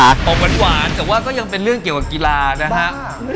ของหวานแต่ว่าก็ยังเป็นเรื่องเกี่ยวกับกีฬานะฮะ